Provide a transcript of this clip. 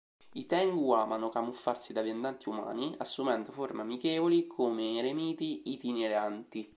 I tengu amano camuffarsi da viandanti umani, assumendo forme amichevoli, come eremiti itineranti.